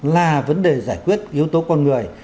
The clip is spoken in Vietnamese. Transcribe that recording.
là vấn đề giải quyết yếu tố con người